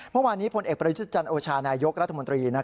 เมื่อวานนี้พลเอกประยุทธ์จันทร์โอชานายกรัฐมนตรี